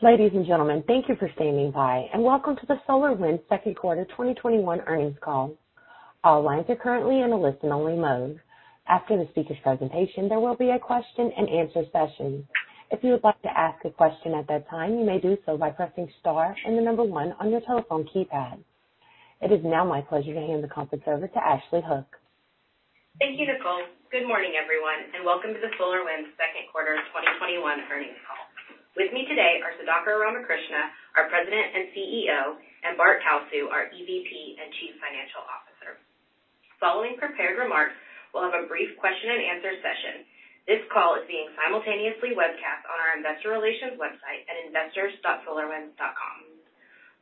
Ladies and gentlemen, thank you for standing by, and welcome to the SolarWinds 2nd quarter 2021 earnings call. It is now my pleasure to hand the conference over to Ashley Hook. Thank you, Nicole. Good morning, everyone, welcome to the SolarWinds second quarter 2021 earnings call. With me today are Sudhakar Ramakrishna, our President and CEO, and Bart Kalsu, our EVP and Chief Financial Officer. Following prepared remarks, we'll have a brief question-and-answer session. This call is being simultaneously webcast on our investor relations website at investors.solarwinds.com.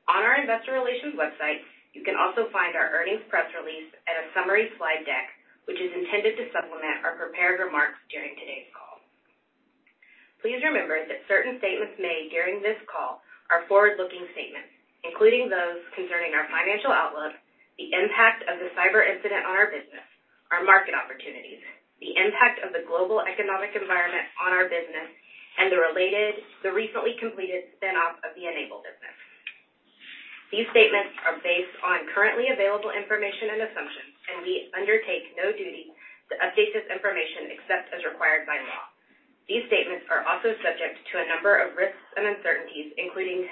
On our investor relations website, you can also find our earnings press release and a summary slide deck, which is intended to supplement our prepared remarks during today's call. Please remember that certain statements made during this call are forward-looking statements, including those concerning our financial outlook, the impact of the cyber incident on our business, our market opportunities, the impact of the global economic environment on our business, and the recently completed spin-off of the N-able business. These statements are based on currently available information and assumptions, and we undertake no duty to update this information except as required by law. These statements are also subject to a number of risks and uncertainties, including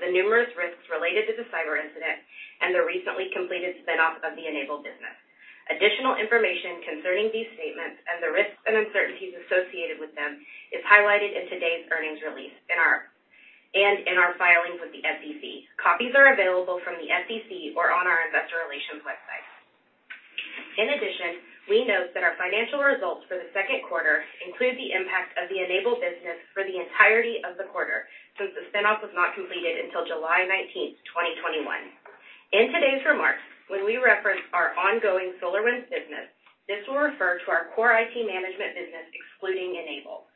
the numerous risks related to the cyber incident and the recently completed spin-off of the N-able business. Additional information concerning these statements and the risks and uncertainties associated with them is highlighted in today's earnings release and in our filings with the SEC. Copies are available from the SEC or on our investor relations website. In addition, we note that our financial results for the second quarter include the impact of the N-able business for the entirety of the quarter, since the spin-off was not completed until July 19th, 2021. In today's remarks, when we reference our ongoing SolarWinds business, this will refer to our core IT management business, excluding N-able.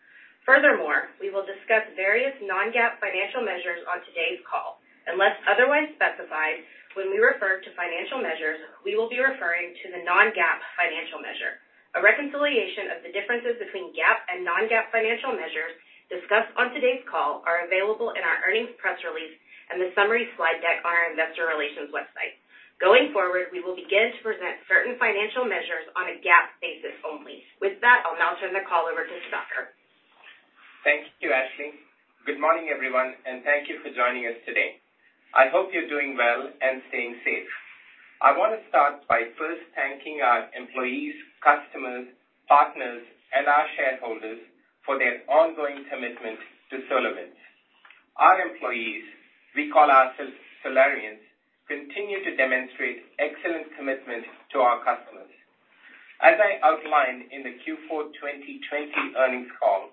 Furthermore, we will discuss various non-GAAP financial measures on today's call. Unless otherwise specified, when we refer to financial measures, we will be referring to the non-GAAP financial measure. A reconciliation of the differences between GAAP and non-GAAP financial measures discussed on today's call are available in our earnings press release and the summary slide deck on our investor relations website. Going forward, we will begin to present certain financial measures on a GAAP basis only. With that, I'll now turn the call over to Sudhakar. Thank you, Ashley. Good morning, everyone, and thank you for joining us today. I hope you're doing well and staying safe. I want to start by first thanking our employees, customers, partners, and our shareholders for their ongoing commitment to SolarWinds. Our employees, we call ourselves Solarians, continue to demonstrate excellent commitment to our customers. As I outlined in the Q4 2020 earnings call,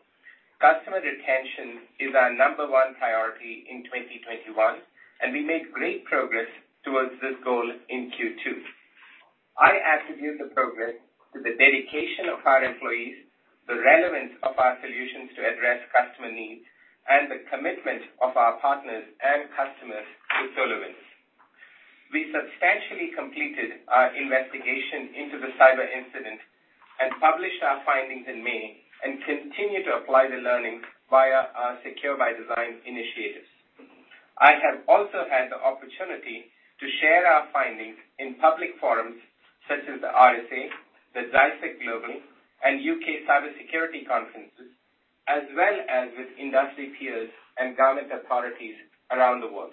customer retention is our number one priority in 2021, and we made great progress towards this goal in Q2. I attribute the progress to the dedication of our employees, the relevance of our solutions to address customer needs, and the commitment of our partners and customers to SolarWinds. We substantially completed our investigation into the cyber incident and published our findings in May and continue to apply the learnings via our Secure by Design initiatives. I have also had the opportunity to share our findings in public forums such as the RSA, the CISO Global, and U.K. cybersecurity conferences, as well as with industry peers and government authorities around the world.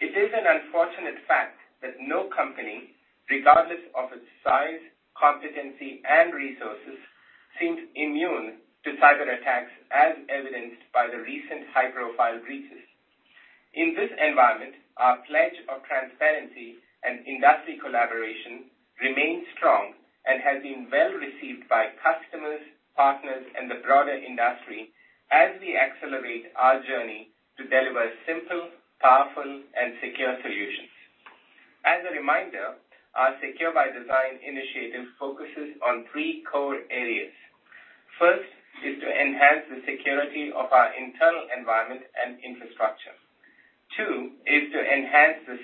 It is an unfortunate fact that no company, regardless of its size, competency, and resources, seems immune to cyberattacks, as evidenced by the recent high-profile breaches. In this environment, our pledge of transparency and industry collaboration remains strong and has been well received by customers, partners, and the broader industry as we accelerate our journey to deliver simple, powerful, and secure solutions. As a reminder, our Secure by Design initiative focuses on three core areas. First is to enhance the security of our internal environment and infrastructure. Two is to enhance the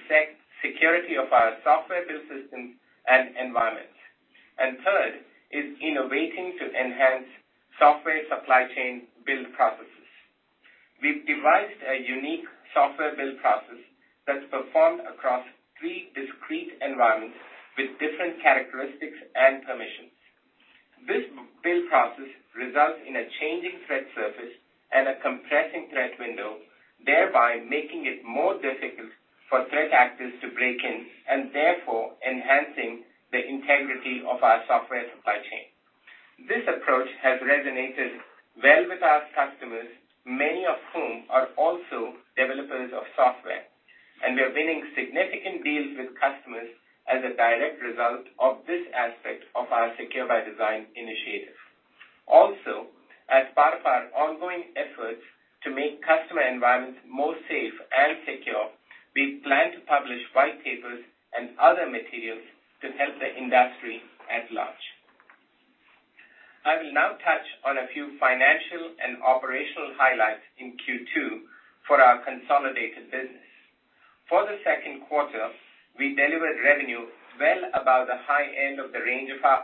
security of our software build systems and environments. Third is innovating to enhance software supply chain build processes. We've devised a unique software build process that's performed across three discrete environments with different characteristics and permissions. This build process results in a changing threat surface and a compressing threat window, thereby making it more difficult for threat actors to break in, and therefore enhancing the integrity of our software supply chain. This approach has resonated well with our customers, many of whom are also developers of software, and we're winning significant deals with customers as a direct result of this aspect of our Secure by Design initiative. Also, as part of our ongoing efforts to make customer environments more safe and secure, we plan to publish white papers and other materials to help the industry at large. I will now touch on a few financial and operational highlights in Q2 for our consolidated business. For the second quarter, we delivered revenue well above the high end of the range of our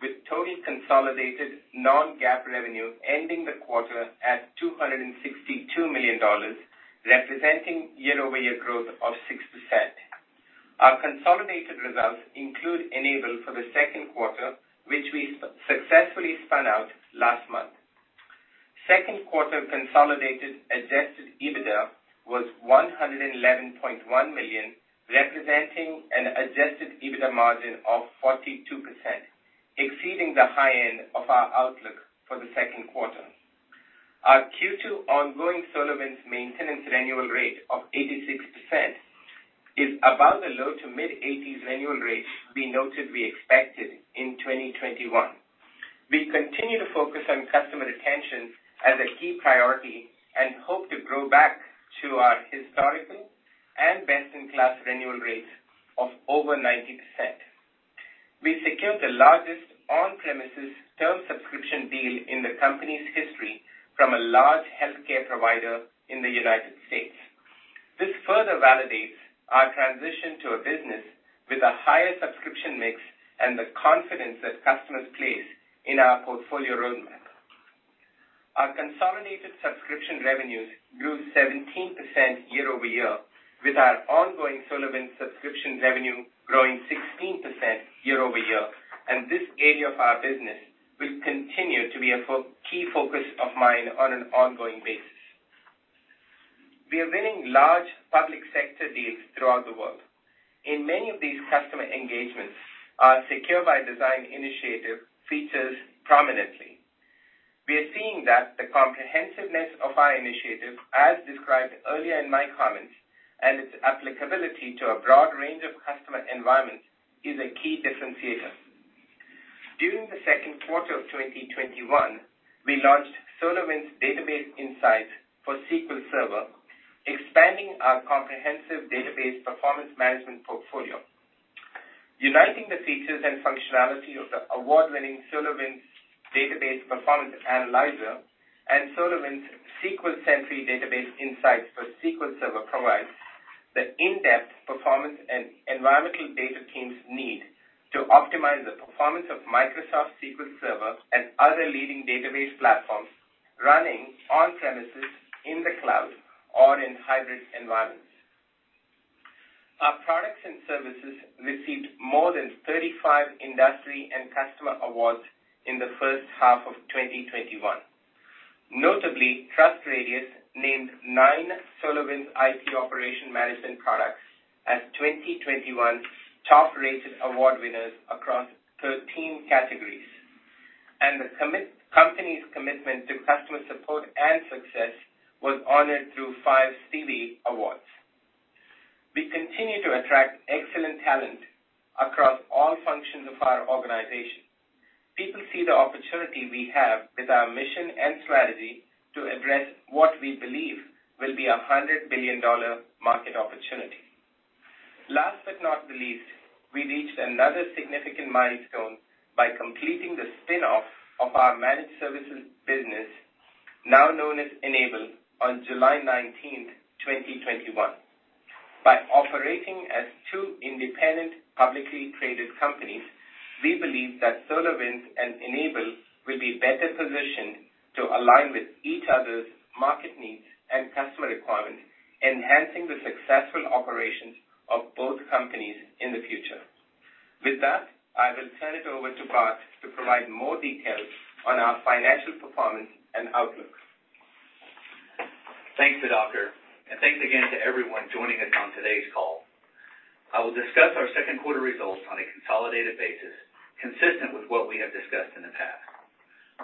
outlook, with total consolidated non-GAAP revenue ending the quarter at $262 million, representing year-over-year growth of 6%. Our consolidated results include N-able for the second quarter, which we successfully spun out last month. Second quarter consolidated adjusted EBITDA was $111.1 million, representing an adjusted EBITDA margin of 42%, exceeding the high end of our outlook for the second quarter. Our Q2 ongoing SolarWinds maintenance renewal rate of 86% is above the low to mid-80s annual rates we noted we expected in 2021. We continue to focus on customer retention as a key priority and hope to grow back to our historical and best-in-class renewal rates of over 90%. We secured the largest on-premises term subscription deal in the company's history from a large healthcare provider in the United States. This further validates our transition to a business with a higher subscription mix and the confidence that customers place in our portfolio roadmap. Our consolidated subscription revenues grew 17% year-over-year, with our ongoing SolarWinds subscription revenue growing 16% year-over-year. This area of our business will continue to be a key focus of mine on an ongoing basis. We are winning large public sector deals throughout the world. In many of these customer engagements, our Secure by Design initiative features prominently. We are seeing that the comprehensiveness of our initiative, as described earlier in my comments, and its applicability to a broad range of customer environments, is a key differentiator. During the second quarter of 2021, we launched SolarWinds Database Insights for SQL Server, expanding our comprehensive database performance management portfolio. Uniting the features and functionality of the award-winning SolarWinds Database Performance Analyzer and SolarWinds SQL Sentry Database Insights for SQL Server provides the in-depth performance and environmental data teams need to optimize the performance of Microsoft SQL Server and other leading database platforms running on premises, in the cloud, or in hybrid environments. Our products and services received more than 35 industry and customer awards in the first half of 2021. Notably, TrustRadius named nine SolarWinds IT operation management products as 2021 top-rated award winners across 13 categories, and the company's commitment to customer support and success was honored through five Stevie Awards. We continue to attract excellent talent across all functions of our organization. People see the opportunity we have with our mission and strategy to address what we believe will be a $100 billion market opportunity. Last but not least, we reached another significant milestone by completing the spin-off of our managed services business, now known as N-able, on July 19th, 2021. By operating as two independent, publicly traded companies, we believe that SolarWinds and N-able will be better positioned to align with each other's market needs and customer requirements, enhancing the successful operations of both companies in the future. With that, I will turn it over to Bart to provide more details on our financial performance and outlook. Thanks, Sudhakar, and thanks again to everyone joining us on today's call. I will discuss our second quarter results on a consolidated basis, consistent with what we have discussed in the past.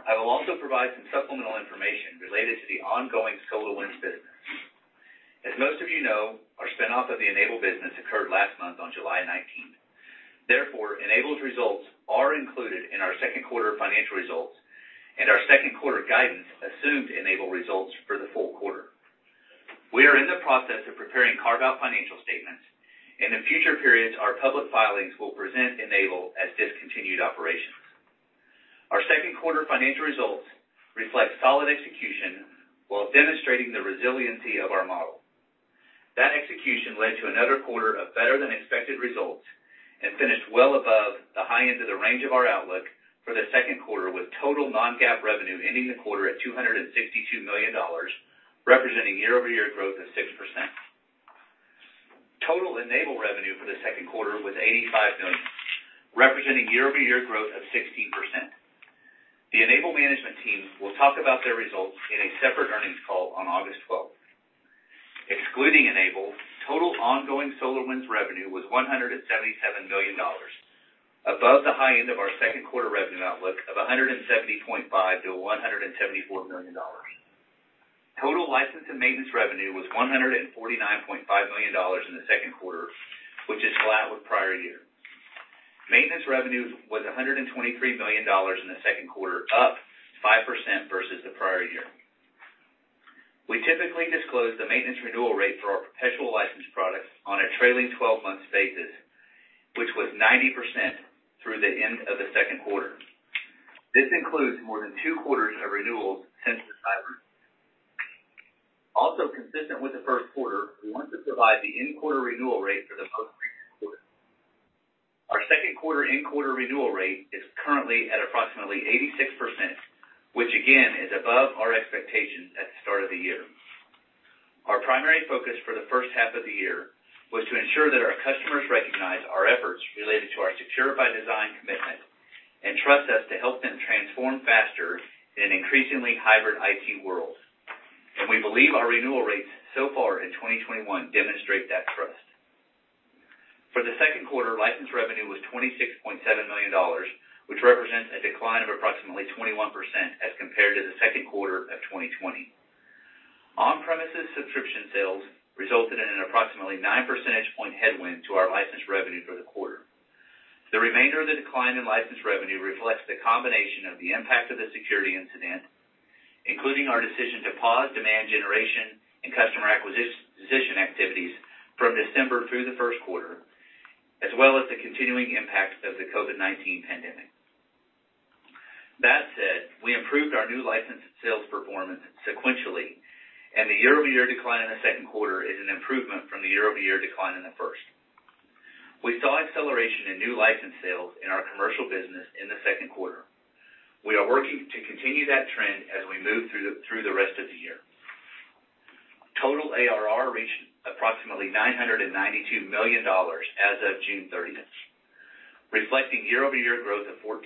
I will also provide some supplemental information related to the ongoing SolarWinds business. As most of you know, our spin-off of the N-able business occurred last month on July 19th. Therefore, N-able's results are included in our second quarter financial results, and our second quarter guidance assumed N-able results for the full quarter. We are in the process of preparing carve-out financial statements. In the future periods, our public filings will present N-able as discontinued operations. Our second quarter financial results reflect solid execution while demonstrating the resiliency of our model. That execution led to another quarter of better-than-expected results and finished well above the high end of the range of our outlook for the second quarter, with total non-GAAP revenue ending the quarter at $262 million, representing year-over-year growth of 6%. Total N-able revenue for the second quarter was $85 million, representing year-over-year growth of 16%. The N-able management team will talk about their results in a separate earnings call on August 12th. Excluding N-able, total ongoing SolarWinds revenue was $177 million, above the high end of our second quarter revenue outlook of $170.5 million-$174 million. Total license and maintenance revenue was $149.5 million in the second quarter, which is flat with prior year. Maintenance revenue was $123 million in the second quarter, up 5% versus the prior year. We typically disclose the maintenance renewal rate for our perpetual license products on a trailing 12-month basis, which was 90% through the end of the second quarter. This includes more than two quarters of renewals since the Sunburst. Also consistent with the first quarter, we want to provide the in-quarter renewal rate for the most recent quarter. Our second quarter in-quarter renewal rate is currently at approximately 86%, which again, is above our expectations at the start of the year. Our primary focus for the first half of the year was to ensure that our customers recognize our efforts related to our Secure by Design commitment, and trust us to help them transform faster in an increasingly hybrid IT world. We believe our renewal rates so far in 2021 demonstrate that trust. For the second quarter, license revenue was $26.7 million, which represents a decline of approximately 21% as compared to the second quarter of 2020. On-premises subscription sales resulted in an approximately nine percentage point headwind to our license revenue for the quarter. The remainder of the decline in license revenue reflects the combination of the impact of the security incident, including our decision to pause demand generation and customer acquisition activities from December through the first quarter, as well as the continuing impacts of the COVID-19 pandemic. That said, we improved our new license sales performance sequentially, and the year-over-year decline in the second quarter is an improvement from the year-over-year decline in the first. We saw acceleration in new license sales in our commercial business in the second quarter. We are working to continue that trend as we move through the rest of the year. Total ARR reached approximately $992 million as of June 30th, reflecting year-over-year growth of 14%.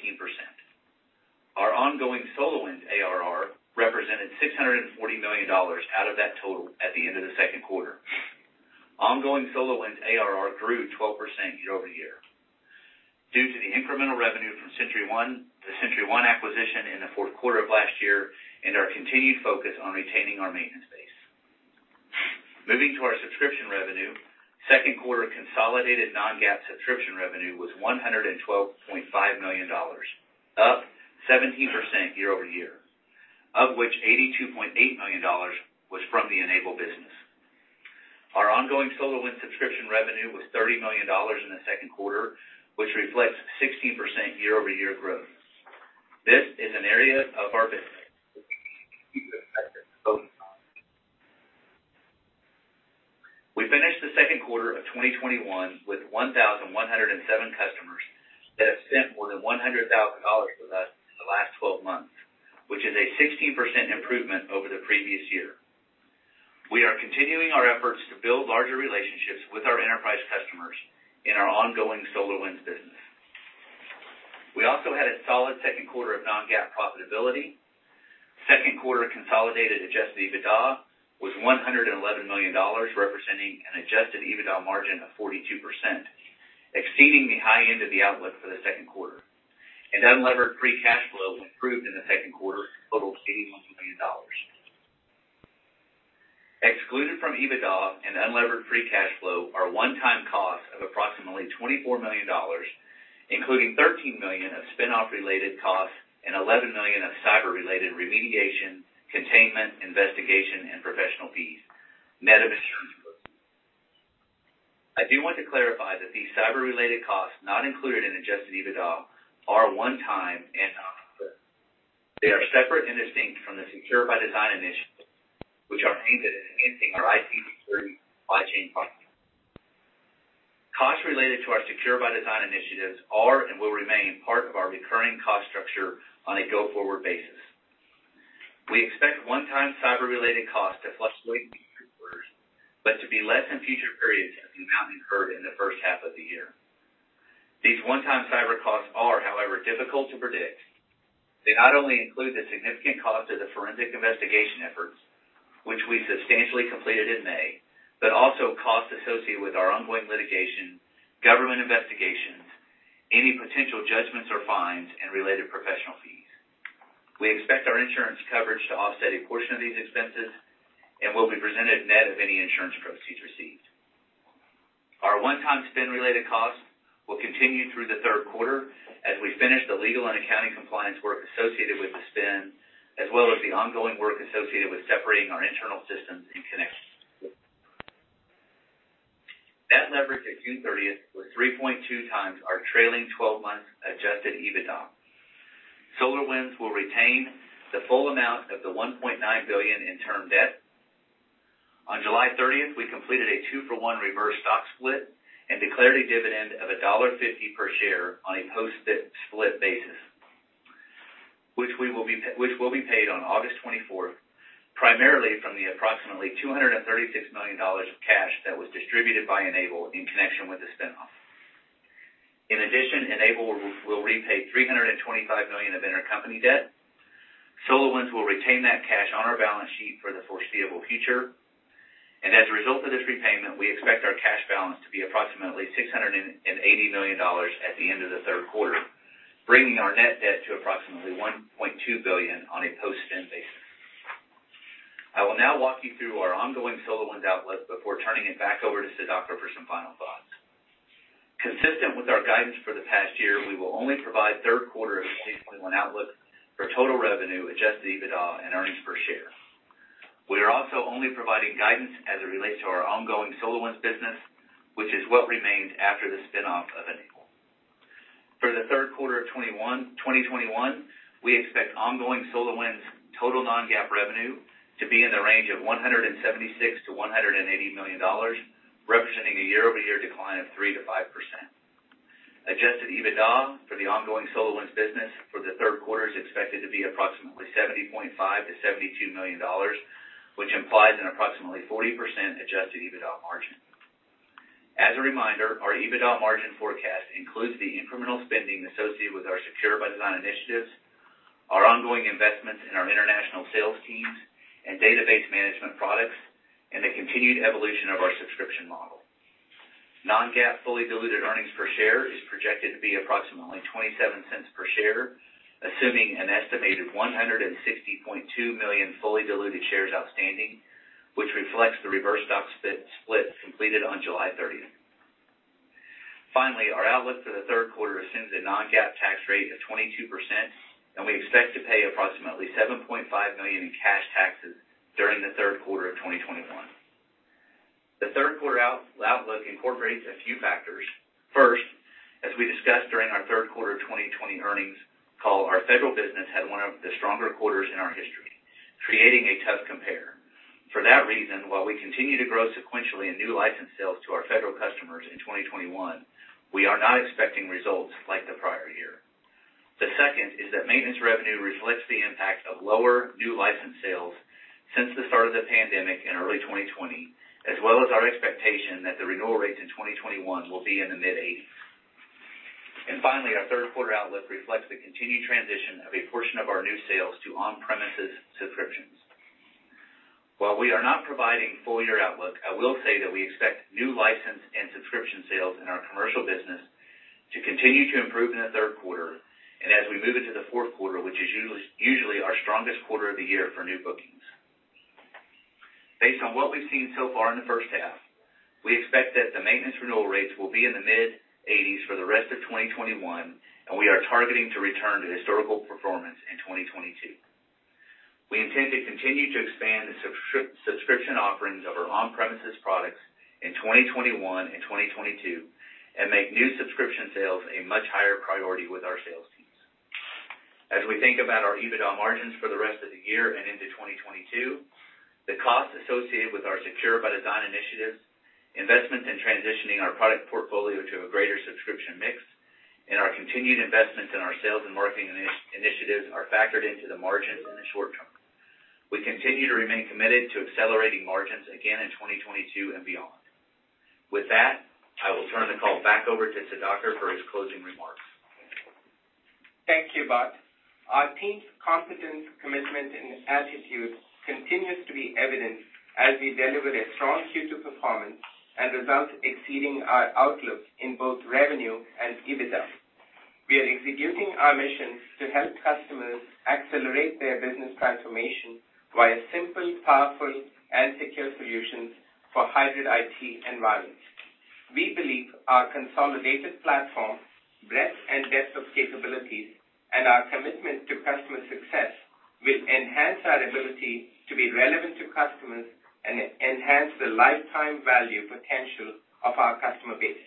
Our ongoing SolarWinds ARR represented $640 million out of that total at the end of the second quarter. Ongoing SolarWinds ARR grew 12% year-over-year due to the incremental revenue from the SentryOne acquisition in the fourth quarter of last year, and our continued focus on retaining our maintenance base. Moving to our subscription revenue, second quarter consolidated non-GAAP subscription revenue was $112.5 million, up 17% year-over-year. Of which $82.8 million was from the N-able business. Our ongoing SolarWinds subscription revenue was $30 million in the second quarter, which reflects 16% year-over-year growth. We finished the second quarter of 2021 with 1,107 customers that have spent more than $100,000 with us in the last 12 months, which is a 16% improvement over the previous year. We are continuing our efforts to build larger relationships with our enterprise customers in our ongoing SolarWinds business. We also had a solid second quarter of non-GAAP profitability. Second quarter consolidated adjusted EBITDA was $111 million, representing an adjusted EBITDA margin of 42%, exceeding the high end of the outlook for the second quarter, and unlevered free cash flow improved in the second quarter, totaled $81 million. Excluded from EBITDA and unlevered free cash flow are one-time costs of approximately $24 million, including $13 million of spin-off related costs and $11 million of cyber-related remediation, containment, investigation, and professional fees, net of insurance reimbursement. I do want to clarify that these cyber-related costs not included in adjusted EBITDA are one time and non-recurring. They are separate and distinct from the Secure by Design initiatives, which are aimed at enhancing our IT security supply chain partners. Costs related to our Secure by Design initiatives are and will remain part of our recurring cost structure on a go-forward basis. We expect one-time cyber-related costs to fluctuate between quarters, but to be less in future periods as the amount incurred in the first half of the year. These one-time cyber costs are, however, difficult to predict. They not only include the significant cost of the forensic investigation efforts, which we substantially completed in May, but also costs associated with our ongoing litigation, government investigations, any potential judgments or fines, and related professional fees. We expect our insurance coverage to offset a portion of these expenses and will be presented net of any insurance proceeds received. Our one-time spin-related costs will continue through the third quarter as we finish the legal and accounting compliance work associated with the spin, as well as the ongoing work associated with separating our internal systems in connection with the spin. Debt leverage at June 30th was 3.2 times our trailing 12 months adjusted EBITDA. SolarWinds will retain the full amount of the $1.9 billion in term debt. On July 30th, we completed a two-for-one reverse stock split and declared a dividend of $1.50 per share on a post-split basis, which will be paid on August 24th, primarily from the approximately $236 million of cash that was distributed by N-able in connection with the spin-off. In addition, N-able will repay $325 million of intercompany debt. SolarWinds will retain that cash on our balance sheet for the foreseeable future. As a result of this repayment, we expect our cash balance to be approximately $680 million at the end of the third quarter, bringing our net debt to approximately $1.2 billion on a post-spin basis. I will now walk you through our ongoing SolarWinds outlook before turning it back over to Sudhakar for some final thoughts. Consistent with our guidance for the past year, we will only provide third quarter of 2021 outlook for total revenue, adjusted EBITDA, and earnings per share. We are also only providing guidance as it relates to our ongoing SolarWinds business, which is what remains after the spin-off of N-able. For the third quarter of 2021, we expect on going SolarWinds total non-GAAP revenue to be in the range of $176 million-$180 million, representing a year-over-year decline of 3%-5%. Adjusted EBITDA for the ongoing SolarWinds business for the third quarter is expected to be approximately $70.5 million-$72 million, which implies an approximately 40% adjusted EBITDA margin. As a reminder, our EBITDA margin forecast includes the incremental spending associated with our Secure by Design initiatives, our ongoing investments in our international sales teams, and database management products, and the continued evolution of our subscription model. non-GAAP fully diluted earnings per share is projected to be approximately $0.27 per share, assuming an estimated 160.2 million fully diluted shares outstanding, which reflects the reverse stock split completed on July 30th. Finally, our outlook for the third quarter assumes a non-GAAP tax rate of 22%, and we expect to pay approximately $7.5 million in cash taxes during the third quarter of 2021. The third quarter outlook incorporates a few factors. First, as we discussed during our third quarter 2020 earnings call, our federal business had 1 of the stronger quarters in our history, creating a tough compare. For that reason, while we continue to grow sequentially in new license sales to our federal customers in 2021, we are not expecting results like the prior year. The second is that maintenance revenue reflects the impact of lower new license sales since the start of the pandemic in early 2020, as well as our expectation that the renewal rates in 2021 will be in the mid-80s. Finally, our third quarter outlook reflects the continued transition of a portion of our new sales to on-premises subscriptions. While we are not providing full-year outlook, I will say that we expect new license and subscription sales in our commercial business to continue to improve in the third quarter, and as we move into the fourth quarter, which is usually our strongest quarter of the year for new bookings. Based on what we've seen so far in the first half, we expect that the maintenance renewal rates will be in the mid-80s for the rest of 2021, and we are targeting to return to historical performance in 2022. We intend to continue to expand the subscription offerings of our on-premises products in 2021 and 2022 and make new subscription sales a much higher priority with our sales teams. As we think about our EBITDA margins for the rest of the year and into 2022, the costs associated with our Secure by Design initiatives, investments in transitioning our product portfolio to a greater subscription mix, and our continued investments in our sales and marketing initiatives are factored into the margins in the short term. We continue to remain committed to accelerating margins again in 2022 and beyond. With that, I will turn the call back over to Sudhakar for his closing remarks. Thank you, Bart. Our team's competence, commitment, and attitude continues to be evident as we deliver a strong Q2 performance and results exceeding our outlook in both revenue and EBITDA. We are executing our mission to help customers accelerate their business transformation via simple, powerful, and secure solutions for hybrid IT environments. We believe our consolidated platform, breadth and depth of capabilities, and our commitment to customer success will enhance our ability to be relevant to customers and enhance the lifetime value potential of our customer base.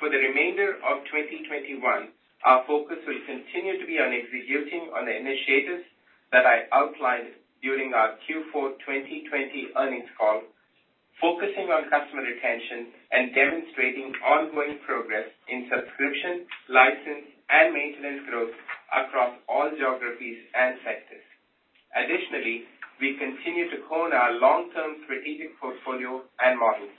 For the remainder of 2021, our focus will continue to be on executing on the initiatives that I outlined during our Q4 2020 earnings call, focusing on customer retention, and demonstrating ongoing progress in subscription, license, and maintenance growth across all geographies and sectors. Additionally, we continue to hone our long-term strategic portfolio and models.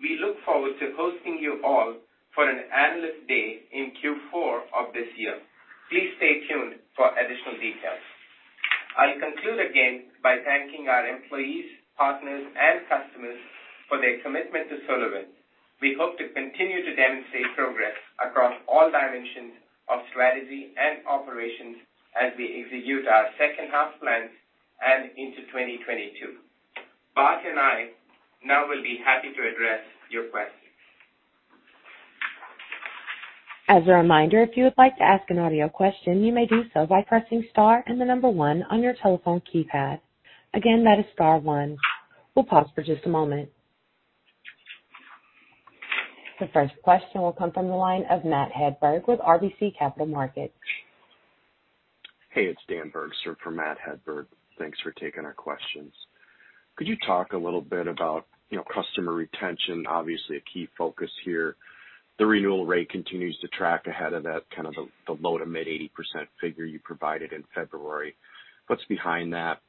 We look forward to hosting you all for an analyst day in Q4 of this year. Please stay tuned for additional details. I conclude again by thanking our employees, partners, and customers for their commitment to SolarWinds. We hope to continue to demonstrate progress across all dimensions of strategy and operations as we execute our second half plans and into 2022. Bart and I now will be happy to address your questions. As a reminder, if you would like to ask an audio question, you may do so by pressing star and the number one on your telephone keypad. Again, that is star one. We'll pause for just a moment. The first question will come from the line of Matt Hedberg with RBC Capital Markets. Hey, it's Dan Bergstrom for Matt Hedberg. Thanks for taking our questions. Could you talk a little bit about customer retention? Obviously, a key focus here. The renewal rate continues to track ahead of that kind of the low to mid 80% figure you provided in February. What's behind that?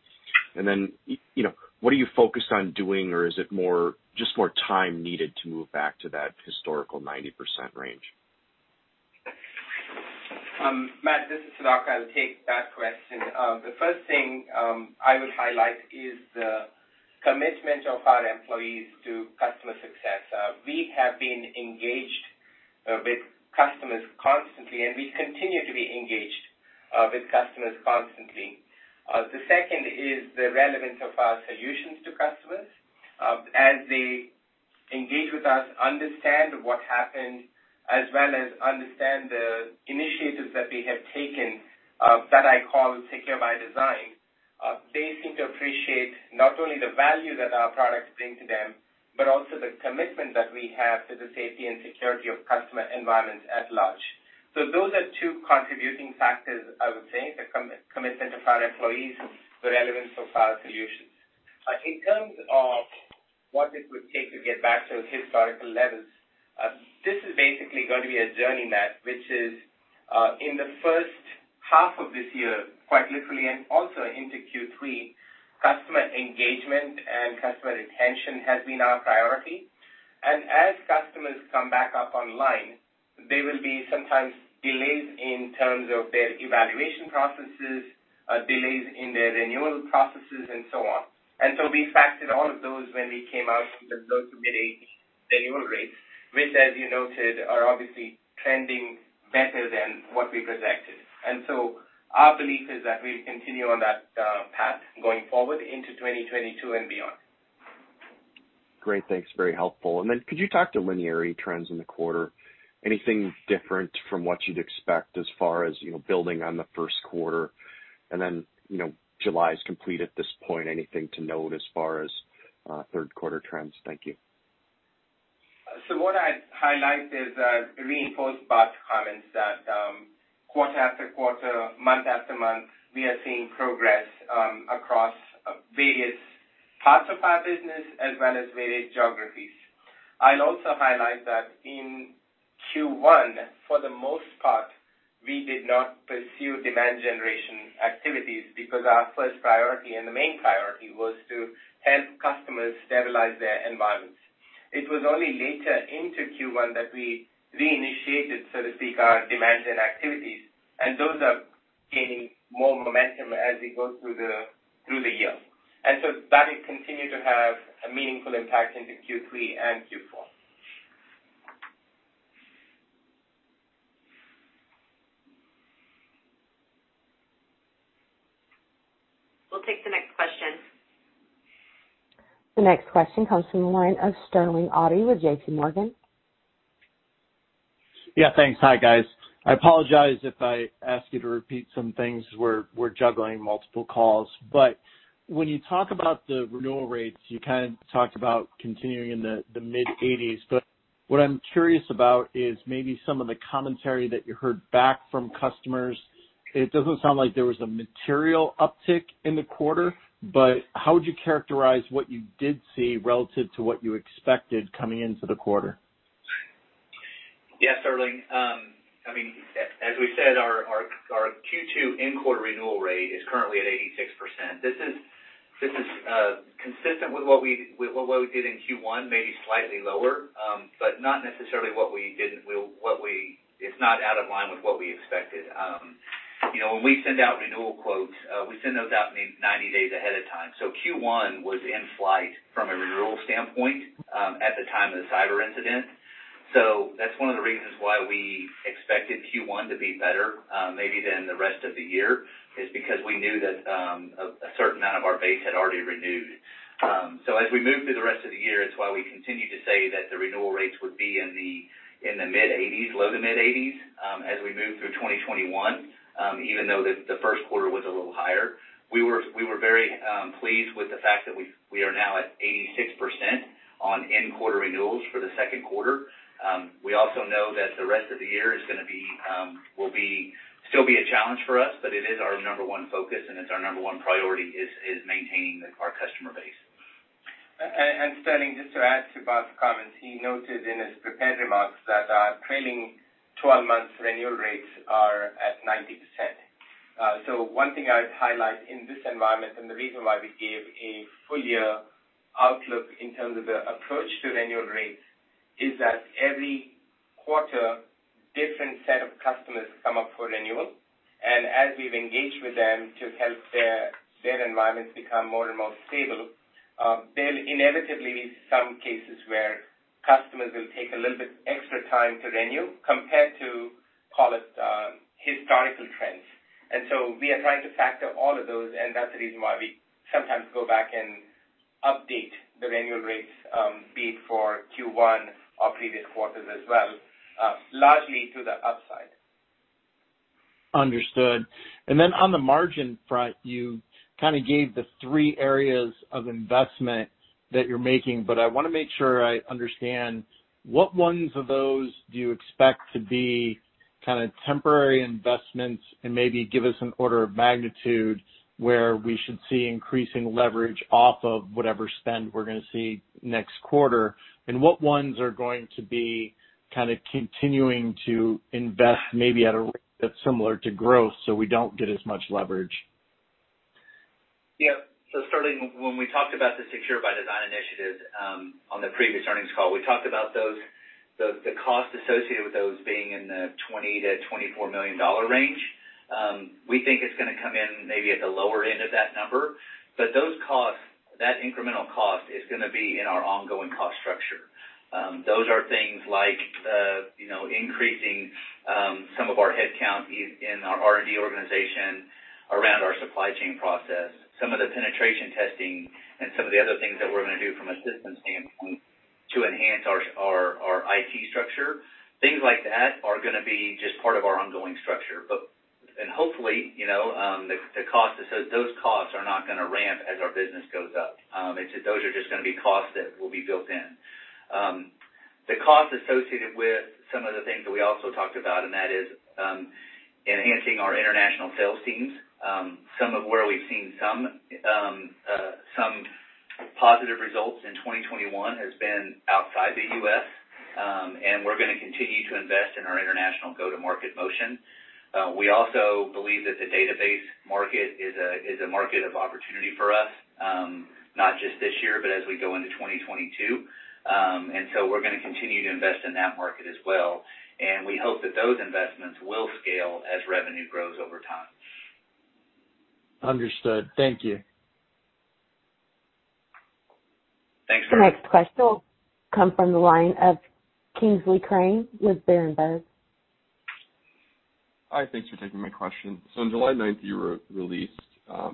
What are you focused on doing, or is it more just more time needed to move back to that historical 90% range? Matt, this is Sudhakar. I'll take that question. The first thing I would highlight is the commitment of our employees to customer success. We have been engaged with customers constantly, and we continue to be engaged with customers constantly. The second is the relevance of our solutions to customers. As they engage with us, understand what happened, as well as understand the initiatives that we have taken that I call Secure by Design. They seem to appreciate not only the value that our products bring to them, but also the commitment that we have to the safety and security of customer environments at large. Those are two contributing factors, I would say, the commitment of our employees, the relevance of our solutions. In terms of what it would take to get back to historical levels, this is basically going to be a journey map, which is in the first half of this year, quite literally, and also into Q3, customer engagement and customer retention has been our priority. As customers come back up online, there will be sometimes delays in terms of their evaluation processes, delays in their renewal processes, and so on. We factored all of those when we came out with those mid-age renewal rates, which as you noted, are obviously trending better than what we projected. Our belief is that we'll continue on that path going forward into 2022 and beyond. Great. Thanks. Very helpful. Could you talk to linear trends in the quarter? Anything different from what you'd expect as far as building on the first quarter? July is complete at this point, anything to note as far as third quarter trends? Thank you. What I'd highlight is, reinforce Bart's comments that, quarter after quarter, month after month, we are seeing progress across various parts of our business as well as various geographies. I'd also highlight that in Q1, for the most part, we did not pursue demand generation activities because our first priority, and the main priority, was to help customers stabilize their environments. It was only later into Q1 that we reinitiated, so to speak, our demand gen activities, and those are gaining more momentum as we go through the year. That will continue to have a meaningful impact into Q3 and Q4. We'll take the next question. The next question comes from the line of Sterling Auty with J.P. Morgan. Yeah, thanks. Hi, guys. I apologize if I ask you to repeat some things. We're juggling multiple calls. When you talk about the renewal rates, you kind of talked about continuing in the mid-80s. What I'm curious about is maybe some of the commentary that you heard back from customers. It doesn't sound like there was a material uptick in the quarter, but how would you characterize what you did see relative to what you expected coming into the quarter? Sterling. As we said, our Q2 in-quarter renewal rate is currently at 86%. This is consistent with what we did in Q1, maybe slightly lower, but it's not out of line with what we expected. When we send out renewal quotes, we send those out 90 days ahead of time. Q1 was in flight from a renewal standpoint, at the time of the cyber incident. That's one of the reasons why we expected Q1 to be better, maybe than the rest of the year, is because we knew that a certain amount of our base had already renewed. As we move through the rest of the year, it's why we continue to say that the renewal rates would be in the mid-80s, low to mid-80s, as we move through 2021, even though the first quarter was a little higher. We were very pleased with the fact that we are now at 86% on in-quarter renewals for the second quarter. We also know that the rest of the year will still be a challenge for us, but it is our number one focus and it's our number one priority, is maintaining our customer base. Sterling, just to add to Bart's comments, he noted in his prepared remarks that our trailing 12 months renewal rates are at 90%. One thing I'd highlight in this environment, and the reason why we gave a full year outlook in terms of the approach to renewal rates, is that every quarter, different set of customers come up for renewal. As we've engaged with them to help their environments become more and more stable, there'll inevitably be some cases where customers will take a little bit extra time to renew compared to, call it, historical trends. We are trying to factor all of those, and that's the reason why we sometimes go back and update the renewal rates, be it for Q1 or previous quarters as well, largely to the upside. Understood. On the margin front, you kind of gave the three areas of investment that you're making. I want to make sure I understand, what ones of those do you expect to be temporary investments? Maybe give us an order of magnitude where we should see increasing leverage off of whatever spend we're going to see next quarter. What ones are going to be continuing to invest maybe at a rate that's similar to growth so we don't get as much leverage? Sterling, when we talked about the Secure by Design initiative on the previous earnings call, we talked about the cost associated with those being in the $20 million-$24 million range. We think it's going to come in maybe at the lower end of that number. That incremental cost is going to be in our ongoing cost structure. Those are things like increasing some of our headcount in our R&D organization around our supply chain process, some of the penetration testing, and some of the other things that we're going to do from a systems standpoint to enhance our IT structure. Things like that are going to be just part of our ongoing structure. Hopefully, those costs are not going to ramp as our business goes up. Those are just going to be costs that will be built in. The cost associated with some of the things that we also talked about, and that is enhancing our international sales teams. Some of where we've seen some positive results in 2021 has been outside the U.S., and we're going to continue to invest in our international go-to-market motion. We also believe that the database market is a market of opportunity for us, not just this year, but as we go into 2022. We're going to continue to invest in that market as well, and we hope that those investments will scale as revenue grows over time. Understood. Thank you. Thanks very much. The next question will come from the line of Kingsley Crane with Berenberg. Hi, thanks for taking my question. On July 9th, you released a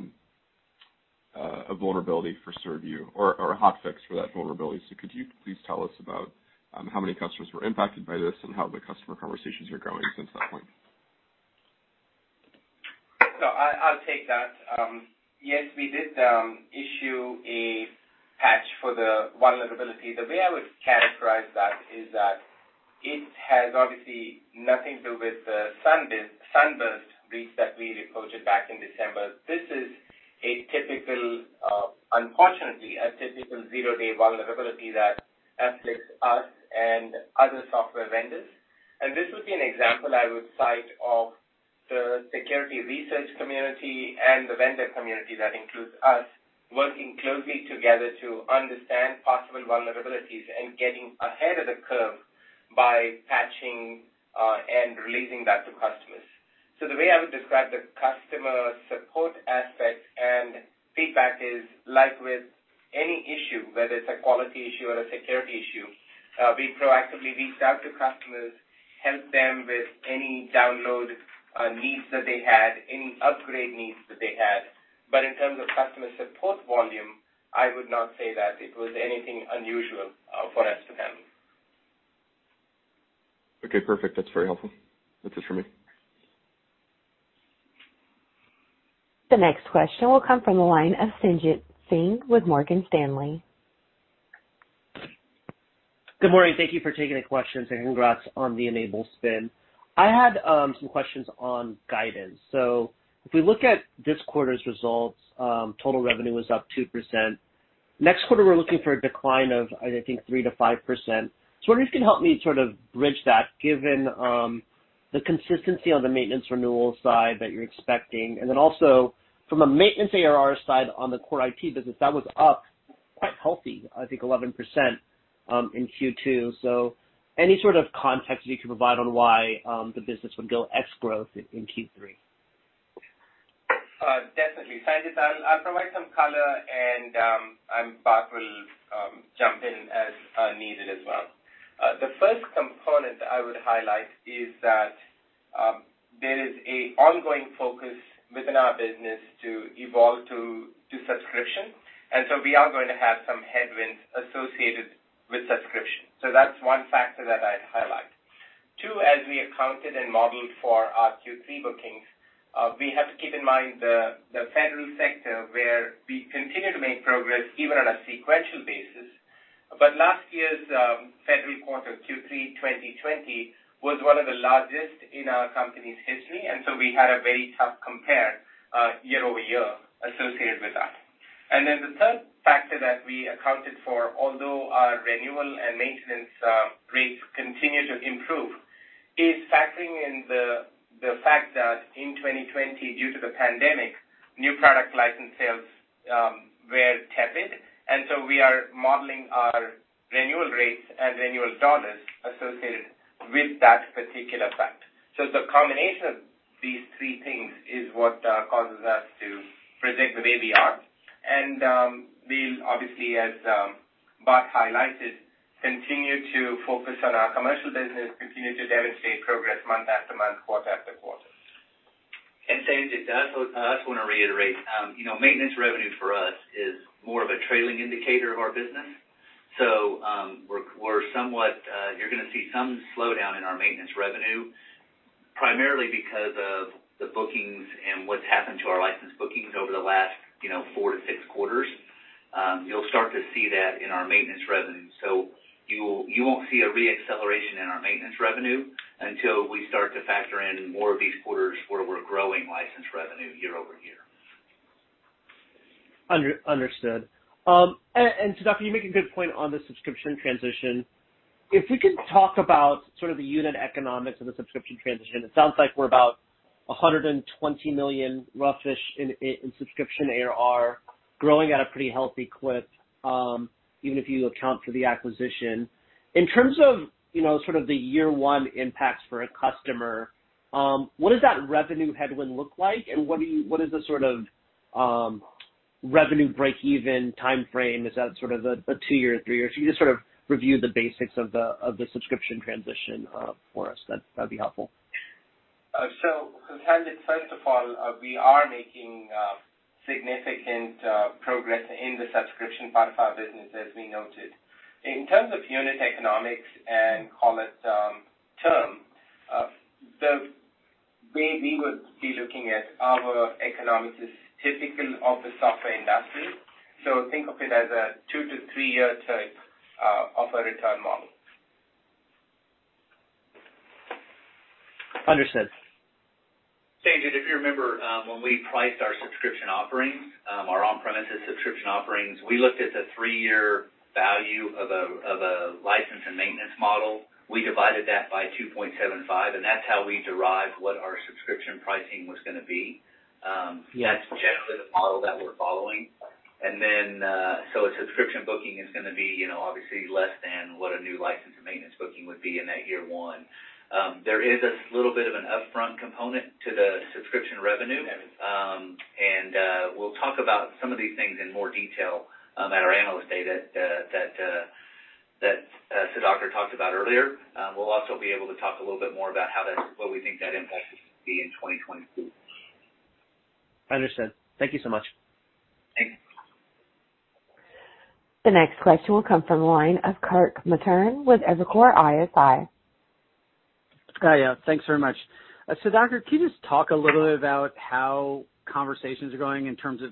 vulnerability for Serv-U or a hotfix for that vulnerability. Could you please tell us about how many customers were impacted by this and how the customer conversations are going since that point? I'll take that. Yes, we did issue a patch for the vulnerability. The way I would characterize that is that it has obviously nothing to do with the Sunburst breach that we reported back in December. This is, unfortunately, a typical zero-day vulnerability that afflicts us and other software vendors. This would be an example I would cite of the security research community and the vendor community that includes us working closely together to understand possible vulnerabilities and getting ahead of the curve by patching, and releasing that to customers. The way I would describe the customer support aspect and feedback is like with any issue, whether it's a quality issue or a security issue, we proactively reached out to customers, helped them with any download needs that they had, any upgrade needs that they had. In terms of customer support volume, I would not say that it was anything unusual for us to handle. Okay, perfect. That's very helpful. That's it for me. The next question will come from the line of Sanjit Singh with Morgan Stanley. Good morning. Thank you for taking the question, and congrats on the N-able spin. I had some questions on guidance. If we look at this quarter's results, total revenue was up 2%. Next quarter, we're looking for a decline of, I think, 3%-5%. I wonder if you can help me sort of bridge that given the consistency on the maintenance renewal side that you're expecting, and then also from a maintenance ARR side on the core IT business, that was up quite healthy, I think 11%, in Q2. Any sort of context you can provide on why the business would go ex-growth in Q3? Definitely. Sanjit, I'll provide some color and Bart will jump in as needed as well. The first component I would highlight is that there is an ongoing focus within our business to evolve to subscription, and so we are going to have some headwinds associated with subscription. That's one factor that I'd highlight. Two, as we accounted and modeled for our Q3 bookings, we have to keep in mind the federal sector where we continue to make progress even on a sequential basis. Last year's federal quarter Q3 2020 was 1 of the largest in our company's history, and so we had a very tough compare year-over-year associated with that. The third factor that we accounted for, although our renewal and maintenance rates continue to improve, is factoring in the fact that in 2020, due to the pandemic, new product license sales were tepid. We are modeling our renewal rates and renewal dollars associated with that particular fact. The combination of these three things is what causes us to predict the way we are. We'll obviously, as Bart highlighted, continue to focus on our commercial business, continue to demonstrate progress month after month, quarter after quarter. Sanjit, I also want to reiterate, maintenance revenue for us is more of a trailing indicator of our business. You're going to see some slowdown in our maintenance revenue, primarily because of the bookings and what's happened to our licensed bookings over the last four to six quarters. You'll start to see that in our maintenance revenue. You won't see a re-acceleration in our maintenance revenue until we start to factor in more of these quarters where we're growing licensed revenue year-over-year. Understood. Sudhakar Ramakrishna, you make a good point on the subscription transition. If we could talk about sort of the unit economics of the subscription transition. It sounds like we're about $120 million roughish in subscription ARR growing at a pretty healthy clip, even if you account for the acquisition. In terms of sort of the year 1 impacts for a customer, what does that revenue headwind look like, and what is the sort of revenue breakeven timeframe? Is that sort of a 2 year, 3 year? If you could just sort of review the basics of the subscription transition for us, that'd be helpful. Sanjit Singh, first of all, we are making significant progress in the subscription part of our business, as we noted. In terms of unit economics and call it term, the way we would be looking at our economics is typical of the software industry. Think of it as a 2-3-year type of a return model. Understood. Sanjit, if you remember, when we priced our subscription offerings, our on-premises subscription offerings, we looked at the 3-year value of a license and maintenance model. We divided that by 2.75, and that's how we derived what our subscription pricing was going to be. Yes. That's generally the model that we're following. A subscription booking is going to be obviously less than what a new license and maintenance booking would be in that year one. There is a little bit of an upfront component to the subscription revenue. Yes. We'll talk about some of these things in more detail at our Analyst Day that Sudhakar talked about earlier. We'll also be able to talk a little bit more about what we think that impact is going to be in 2022. Understood. Thank you so much. Thank you. The next question will come from the line of Kirk Materne with Evercore ISI. Hi, yeah, thanks very much. Sudhakar, can you just talk a little bit about how conversations are going in terms of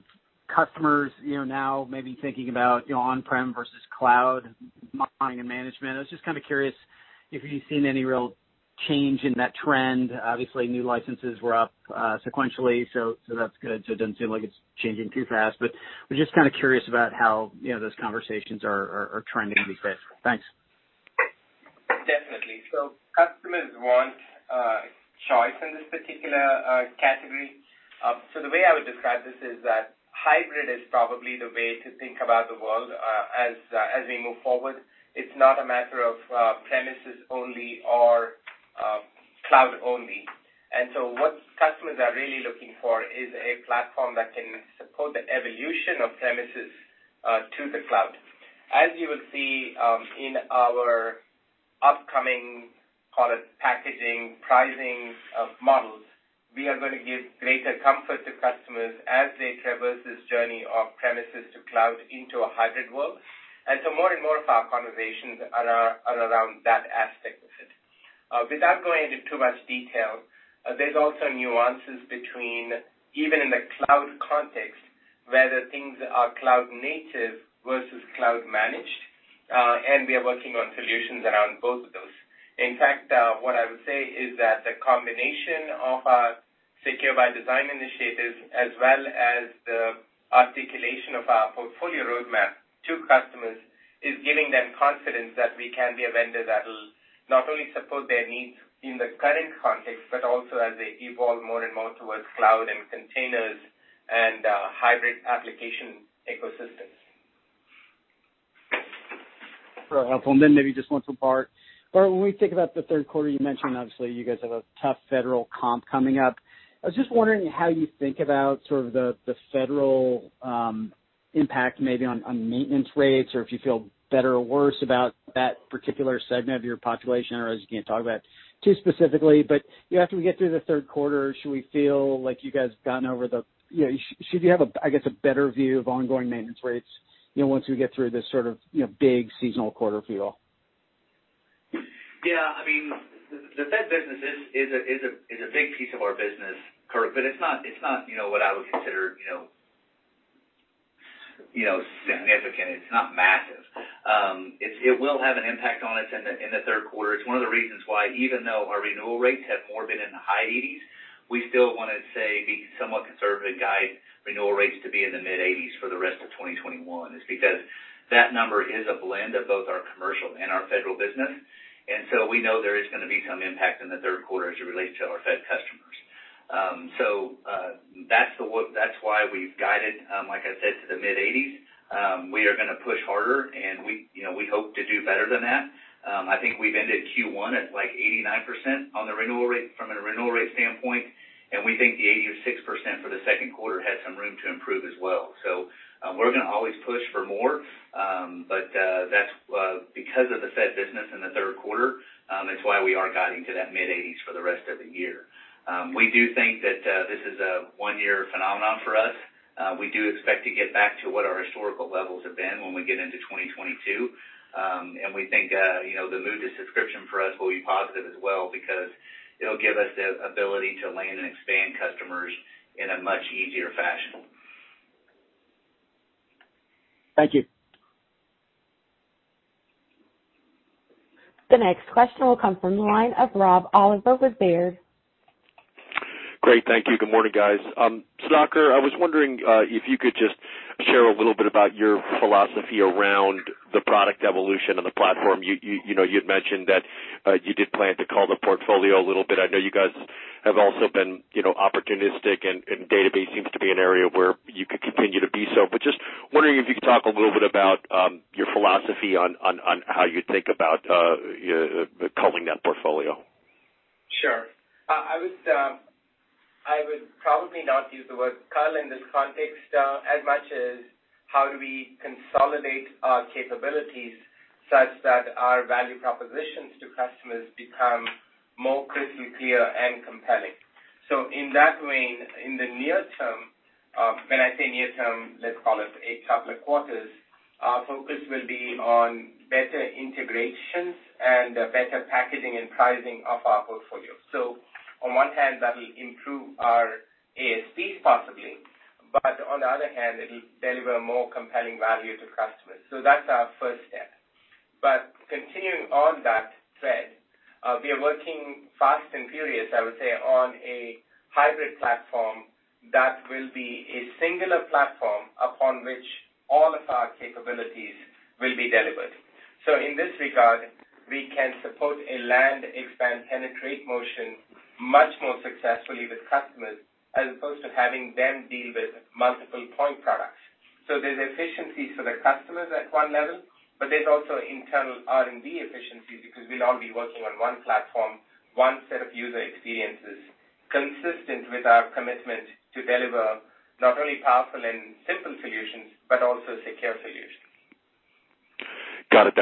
customers, now maybe thinking about on-prem versus cloud monitoring and management? I was just kind of curious if you've seen any real change in that trend. Obviously, new licenses were up sequentially, so that's good. It doesn't seem like it's changing too fast, but was just kind of curious about how those conversations are trending these days. Thanks. Definitely. Customers want choice in this particular category. The way I would describe this is that hybrid is probably the way to think about the world as we move forward. It's not a matter of premises only or cloud only. What customers are really looking for is a platform that can support the evolution of premises to the cloud. As you will see in our upcoming, call it packaging, pricing of models, we are going to give greater comfort to customers as they traverse this journey of premises to cloud into a hybrid world. More and more of our conversations are around that aspect of it. Without going into too much detail, there's also nuances between, even in the cloud context, whether things are cloud native versus cloud managed, and we are working on solutions around both of those. In fact, what I would say is that the combination of our Secure by Design initiatives as well as the articulation of our portfolio roadmap to customers is giving them confidence that we can be a vendor that'll not only support their needs in the current context, but also as they evolve more and more towards cloud and containers and hybrid application ecosystems. Very helpful. Then maybe just one for Bart. Bart, when we think about the third quarter, you mentioned obviously you guys have a tough federal comp coming up. I was just wondering how you think about sort of the federal impact maybe on maintenance rates, or if you feel better or worse about that particular segment of your population, or I guess you can't talk about too specifically. After we get through the third quarter, should you have, I guess, a better view of ongoing maintenance rates, once we get through this sort of big seasonal quarter for you all? Yeah. The Fed business is a big piece of our business, Kirk, but it's not what I would consider significant. It's not massive. It will have an impact on us in the third quarter. It's one of the reasons why even though our renewal rates have more been in the high 80s, we still want to, say, be somewhat conservative and guide renewal rates to be in the mid-80s for the rest of 2021, is because that number is a blend of both our commercial and our federal business. We know there is going to be some impact in the third quarter as it relates to our Fed customers. That's why we've guided, like I said, to the mid-80s. We are going to push harder, and we hope to do better than that. I think we've ended Q1 at, like, 89% from a renewal rate standpoint, and we think the 86% for the second quarter had some room to improve as well. We're going to always push for more. That's because of the Fed business in the third quarter. That's why we are guiding to that mid-80s for the rest of the year. We do think that this is a one-year phenomenon for us. We do expect to get back to what our historical levels have been when we get into 2022. We think the move to subscription for us will be positive as well because it'll give us the ability to land and expand customers in a much easier fashion. Thank you. The next question will come from the line of Rob Oliver with Baird. Great. Thank you. Good morning, guys. Sudhakar, I was wondering if you could just share a little bit about your philosophy around the product evolution of the platform. You'd mentioned that you did plan to cull the portfolio a little bit. I know you guys have also been opportunistic, and database seems to be an area where you could continue to be so. Just wondering if you could talk a little bit about your philosophy on how you think about culling that portfolio. Sure. I would probably not use the word cull in this context, as much as how do we consolidate our capabilities such that our value propositions to customers become more crystal clear and compelling. In that vein, in the near term, when I say near term, let's call it 8 public quarters, our focus will be on better integrations and better packaging and pricing of our portfolio. On one hand, that will improve our ASPs possibly. On the other hand, it will deliver more compelling value to customers. That's our first step. Continuing on that thread, we are working fast and furious, I would say, on a hybrid platform that will be a singular platform upon which all of our capabilities will be delivered. In this regard, we can support a land expand penetrate motion much more successfully with customers as opposed to having them deal with multiple point products. There's efficiencies for the customers at one level, but there's also internal R&D efficiencies because we'll all be working on one platform, one set of user experiences consistent with our commitment to deliver not only powerful and simple solutions, but also secure solutions. Got it.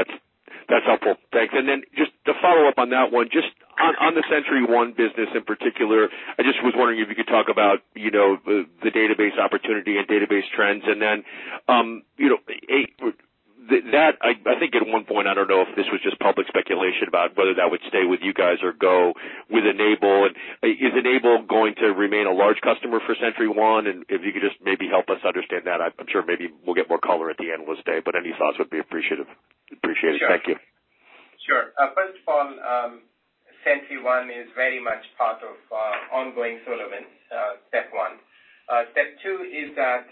That's helpful. Thanks. Then just to follow up on that one, just on the SentryOne business in particular, I just was wondering if you could talk about the database opportunity and database trends and then, that I think at one point, I don't know if this was just public speculation about whether that would stay with you guys or go with N-able. Is N-able going to remain a large customer for SentryOne? And if you could just maybe help us understand that. I'm sure maybe we'll get more color at the analyst day, but any thoughts would be appreciated. Thank you. Sure. First of all, SentryOne is very much part of our ongoing SolarWinds, step one. Step two is that,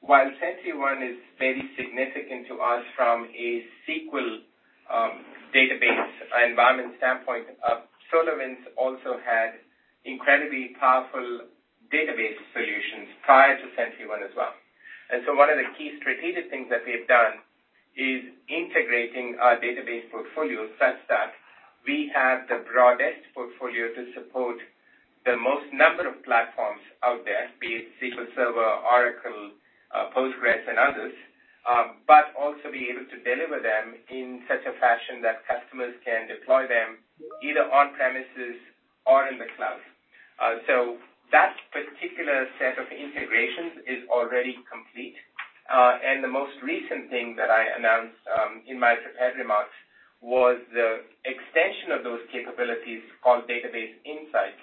while SentryOne is very significant to us from a SQL database environment standpoint, SolarWinds also had incredibly powerful database solutions prior to SentryOne as well. One of the key strategic things that we've done is integrating our database portfolio such that we have the broadest portfolio to support the most number of platforms out there, be it SQL Server, Oracle, Postgres, and others, but also be able to deliver them in such a fashion that customers can deploy them either on-premises or in the cloud. That particular set of integrations is already complete. The most recent thing that I announced, in my prepared remarks, was the extension of those capabilities called Database Insights,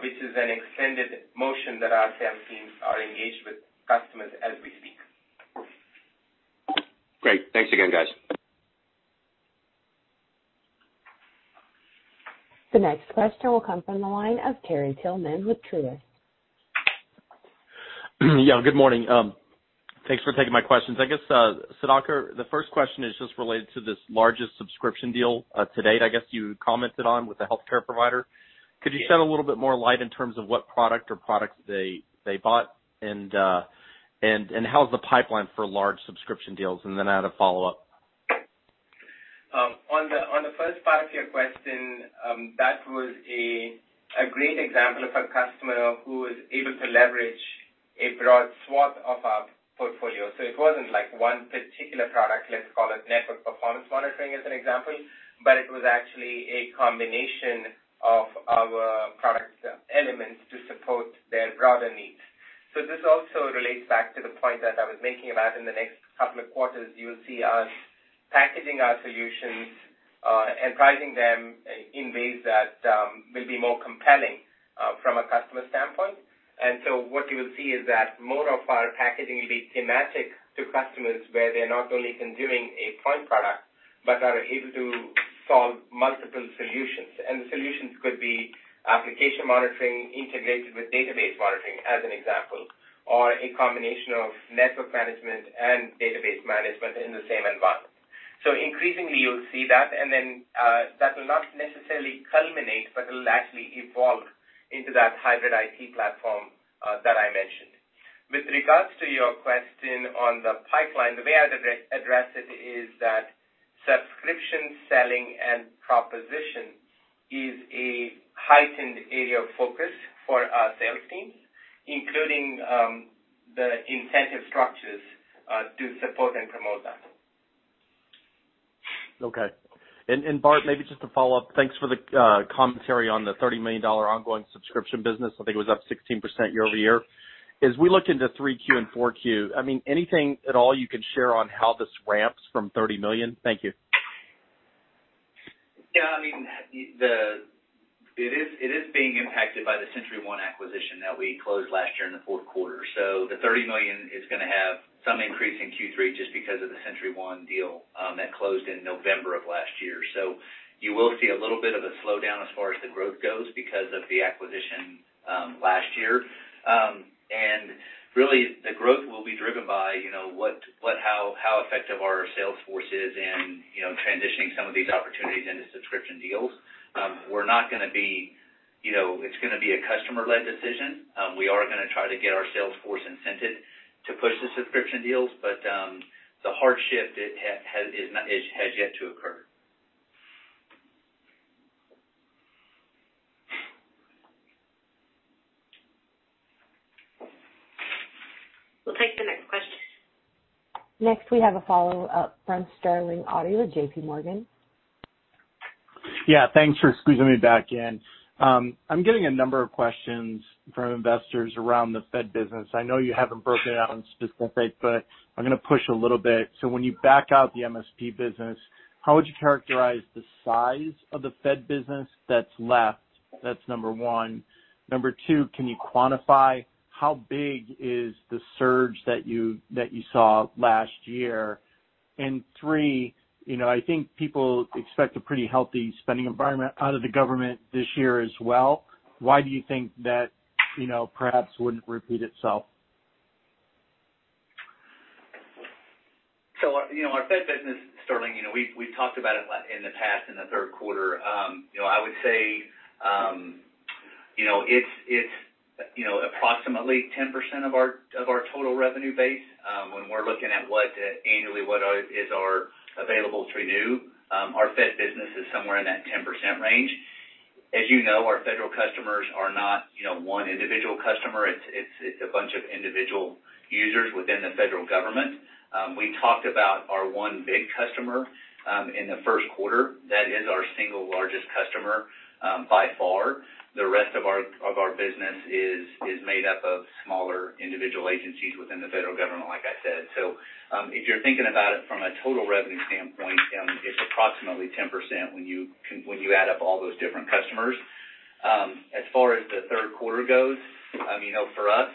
which is an extended motion that our sales teams are engaged with customers as we speak. Great. Thanks again, guys. The next question will come from the line of Terry Tillman with Truist. Yeah, good morning. Thanks for taking my questions. I guess, Sudhakar, the first question is just related to this largest subscription deal to date, I guess you commented on with the healthcare provider. Could you shed a little bit more light in terms of what product or products they bought and how's the pipeline for large subscription deals? Then I had a follow-up. On the first part of your question, that was a great example of a customer who was able to leverage a broad swath of our portfolio. It wasn't like one particular product, let's call it network performance monitoring as an example, but it was actually a combination of our product elements to support their broader needs. This also relates back to the point that I was making about in the next couple of quarters, you'll see us packaging our solutions, and pricing them in ways that will be more compelling from a customer standpoint. What you will see is that more of our packaging will be thematic to customers where they're not only consuming a point product, but are able to solve multiple solutions. The solutions could be application monitoring integrated with database monitoring, as an example, or a combination of network management and database management in the same environment. Increasingly, you'll see that, and then, that will not necessarily culminate, but it'll actually evolve into that hybrid IT platform that I mentioned. With regards to your question on the pipeline, the way I'd address it is that subscription selling and proposition is a heightened area of focus for our sales teams, including the incentive structures, to support and promote that. Okay. Bart, maybe just to follow up, thanks for the commentary on the $30 million ongoing subscription business. I think it was up 16% year-over-year. As we look into 3Q and 4Q, I mean, anything at all you can share on how this ramps from $30 million? Thank you. Yeah. It is being impacted by the SentryOne acquisition that we closed last year in the fourth quarter. The $30 million is going to have some increase in Q3 just because of the SentryOne deal that closed in November of last year. You will see a little bit of a slowdown as far as the growth goes because of the acquisition last year. Really, the growth will be driven by how effective our sales force is in transitioning some of these opportunities into subscription deals. It's going to be a customer-led decision. We are going to try to get our sales force incented to push the subscription deals, but the hard shift has yet to occur. We'll take the next question. Next, we have a follow-up from Sterling Auty with JPMorgan. Yeah, thanks for squeezing me back in. I'm getting a number of questions from investors around the Fed business. I know you haven't broken it out in specific, but I'm going to push a little bit. When you back out the MSP business, how would you characterize the size of the Fed business that's left? That's number one. Number two, can you quantify how big is the surge that you saw last year? Three, I think people expect a pretty healthy spending environment out of the government this year as well. Why do you think that perhaps wouldn't repeat itself? Our Fed business, Sterling, we've talked about it in the past, in the third quarter. I would say, it's approximately 10% of our total revenue base. When we're looking at annually what is our available to renew, our Fed business is somewhere in that 10% range. As you know, our federal customers are not one individual customer. It's a bunch of individual users within the federal government. We talked about our one big customer in the first quarter. That is our single largest customer, by far. The rest of our business is made up of smaller individual agencies within the federal government, like I said. If you're thinking about it from a total revenue standpoint, it's approximately 10% when you add up all those different customers. As far as the third quarter goes, for us,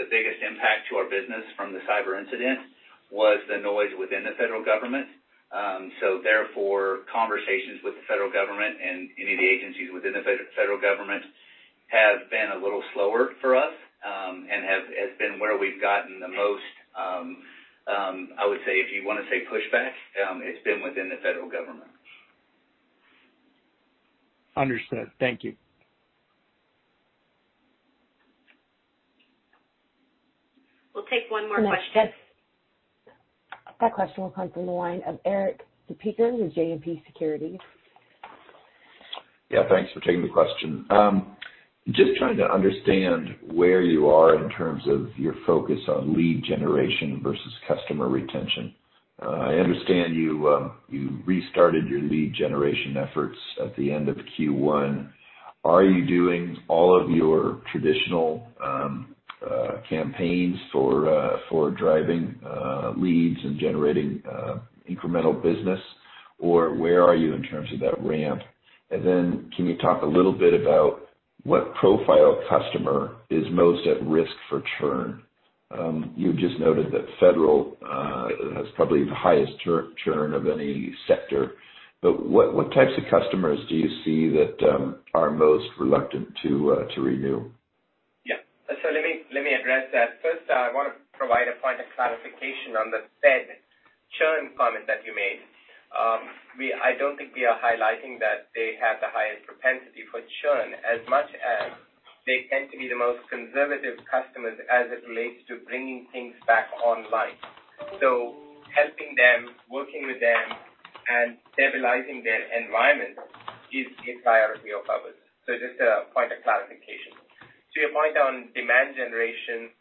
the biggest impact to our business from the cyber incident was the noise within the federal government. Therefore, conversations with the federal government and any of the agencies within the federal government have been a little slower for us, and has been where we've gotten the most, I would say, if you want to say pushback, it's been within the federal government. Understood. Thank you. We'll take one more question. Next, that question will come from the line of Erik Suppiger with JMP Securities. Yeah, thanks for taking the question. Just trying to understand where you are in terms of your focus on lead generation versus customer retention. I understand you restarted your lead generation efforts at the end of Q1. Are you doing all of your traditional campaigns for driving leads and generating incremental business, or where are you in terms of that ramp? Can you talk a little bit about what profile customer is most at risk for churn? You just noted that federal has probably the highest churn of any sector, but what types of customers do you see that are most reluctant to renew? Yeah. Let me address that. First, I want to provide a point of clarification on the Fed churn comment that you made. I don't think we are highlighting that they have the highest propensity for churn, as much as they tend to be the most conservative customers as it relates to bringing things back online. Helping them, working with them, and stabilizing their environment is higher priority of ours. Just a point of clarification. To your point on demand generation,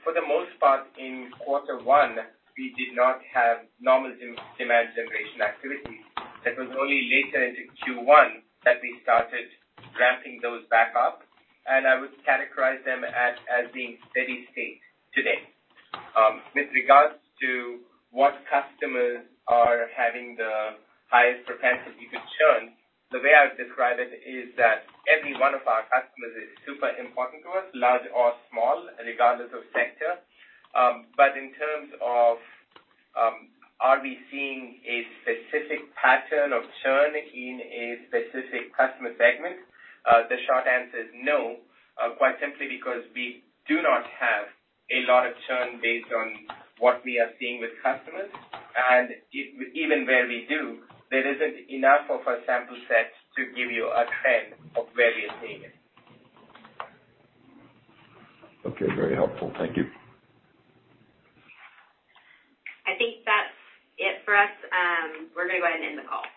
for the most part in quarter one, we did not have normal demand generation activities. It was only later into Q1 that we started ramping those back up, and I would characterize them as being steady state today. With regards to what customers are having the highest propensity to churn, the way I would describe it is that every one of our customers is super important to us, large or small, regardless of sector. In terms of, are we seeing a specific pattern of churn in a specific customer segment? The short answer is no, quite simply because we do not have a lot of churn based on what we are seeing with customers. Even where we do, there isn't enough of a sample set to give you a trend of where you're seeing it. Okay. Very helpful. Thank you. I think that's it for us. We're going to go ahead and end the call.